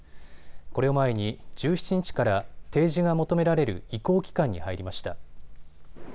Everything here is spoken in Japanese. これを前に１７日から、提示が求められる移行期間に入りました。